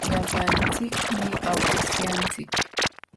Llapanchikmi awkishyanchik.